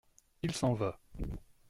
Il s’en va.